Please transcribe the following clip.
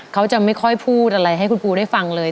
เขาจะไม่ค่อยพูดอะไรให้คุณปูได้ฟังเลย